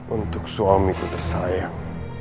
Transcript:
untuk suamiku tersayang